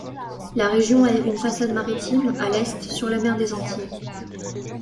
La région a une façade maritime, à l'est, sur la mer des Antilles.